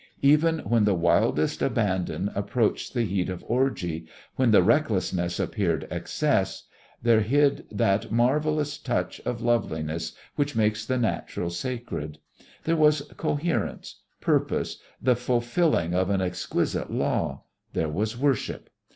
Even when the wildest abandon approached the heat of orgy, when the recklessness appeared excess there hid that marvellous touch of loveliness which makes the natural sacred. There was coherence, purpose, the fulfilling of an exquisite law: there was worship.